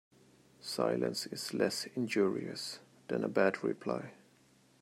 Silence is less injurious than a bad reply.